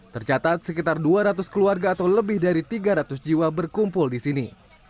tercatat sekitar dua ratus keluarga atau lebih dari tiga ratus jiwa berkumpul di sini